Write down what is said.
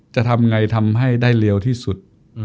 จะทำไงทำให้ได้เร็วที่สุด